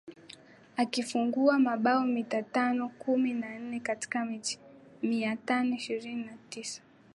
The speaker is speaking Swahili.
akifunga mabao mia tano kumi na nne katika mechi mia tano ishirini na tisa